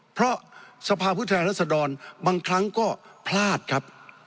เพราะสภาพุทธแรงสะดอนบางครั้งก็พลาดครับ